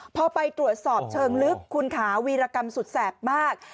พอไปตรวจสอบเชิงลึกคุณขาวีรกรรมสุดแสบมาก